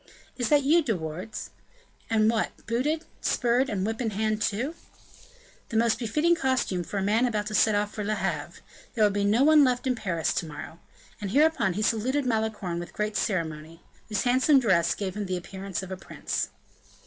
"Is that you, De Wardes? What! and booted, spurred and whip in hand, too?" "The most befitting costume for a man about to set off for Le Havre. There will be no one left in Paris to morrow." And hereupon he saluted Malicorne with great ceremony, whose handsome dress gave him the appearance of a prince.